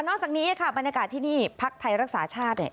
นอกจากนี้นะคะบรรยากาศที่นี่ภาคไทยรักษาชาติ